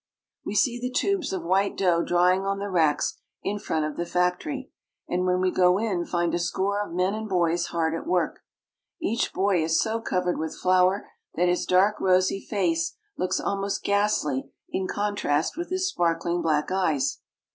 We see the tubes of white dough drying on the racks in front of the factory, and when we go in find a score of men and boys hard at work. Each boy is so covered with flour that his dark, rosy face looks almost ghastly in con trast with his sparkling black eyes.